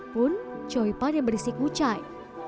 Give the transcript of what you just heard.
pun choy pan yang berisi kucai